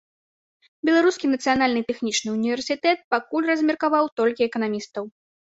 Беларускі нацыянальны тэхнічны ўніверсітэт пакуль размеркаваў толькі эканамістаў.